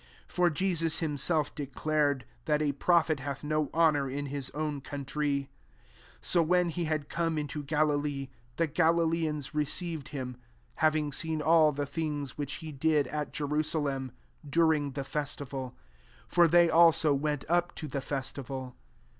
44 For Jesus him self declared that a prophet hath no honour in his own countryw 45 So when he had come into Galilee, tjie Galileans receivetd him, having seen all the things which he did at Jerusalem dur ^ ing the festival : for they, also, went up to the festival.